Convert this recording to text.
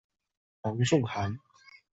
黄仲涵。